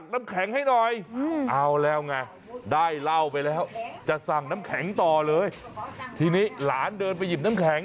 ได้เหล้าไปแล้วจะสั่งน้ำแข็งต่อเลยทีนี้หลานเดินไปหยิบน้ำแข็ง